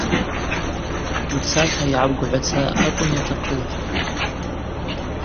Уцата йгӏауггӏвацара акӏвын йатахъыз.